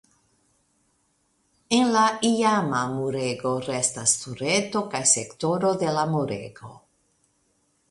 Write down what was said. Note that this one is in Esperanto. El la iama murego restas tureto kaj sektoro de la murego.